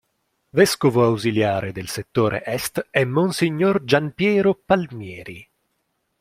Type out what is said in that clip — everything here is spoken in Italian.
Vescovo ausiliare del settore est è monsignor Gianpiero Palmieri.